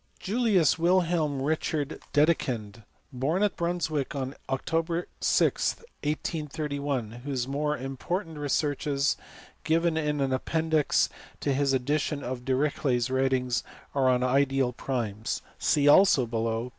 Julius Wilhelm Richard Dedekind, born at Brunswick on Oct. 6, 1831, whose more important researches, given in an ap pendix to his edition of Dirichlet s writings, are on ideal primes : see also below, p.